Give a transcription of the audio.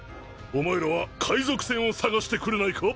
お前らは海賊船を捜してくれないか？